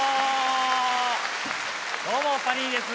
どうもパニーニです。